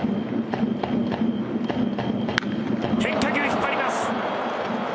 変化球、引っ張ります。